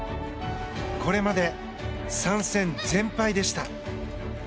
これまで、３戦全敗でした。